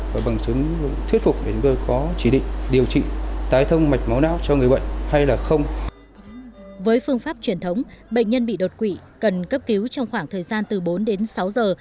với phương pháp truyền thống bệnh nhân bị đột quỵ cần cấp cứu trong khoảng thời gian từ bốn đến sáu giờ